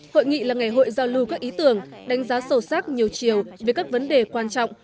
hội nghị là ngày hội giao lưu các ý tưởng đánh giá sâu sắc nhiều chiều về các vấn đề quan trọng